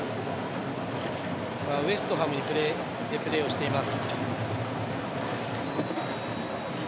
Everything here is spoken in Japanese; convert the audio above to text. ウェストハムでプレーしています。